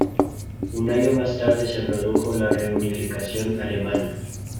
Un año más tarde se produjo la reunificación alemana.